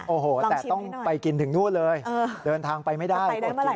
โอ้โหแต่ต้องไปกินถึงนู่นเลยเดินทางไปไม่ได้